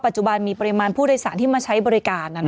จุบันมีปริมาณผู้โดยสารที่มาใช้บริการ